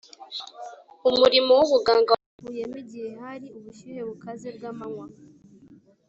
Umuriro w’ubuganga wamuvuyemo igihe hari ubushyuhe bukaze bw’amanywa